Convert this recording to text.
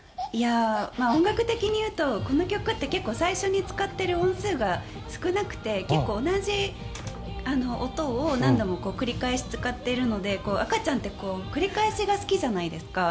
音楽的にいうとこの曲って最初に使っている音数が少なくて、結構同じ音を何度も繰り返し使っているので赤ちゃんって繰り返しが好きじゃないですか。